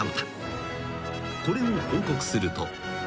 ［これを報告すると］